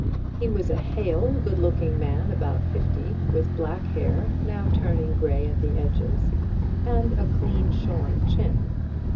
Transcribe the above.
He was a hale, good looking man about fifty, with black hair, now turning grey at the edges, and a clean shorn chin.